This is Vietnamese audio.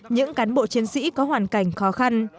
những cán bộ chiến sĩ có hoàn cảnh khó khăn